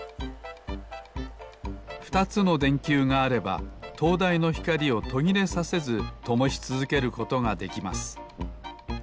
２つのでんきゅうがあればとうだいのひかりをとぎれさせずともしつづけることができます。